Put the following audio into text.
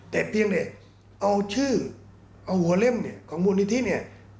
แต่เพียงเอาชื่อเอาหัวเล่มของมูลนิธิ